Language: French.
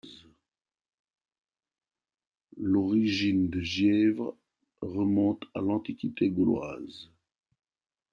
L’origine de Gièvres remonte à l’antiquité gauloise.